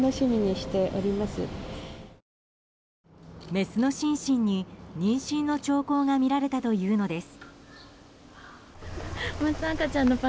メスのシンシンに妊娠の兆候が見られたというのです。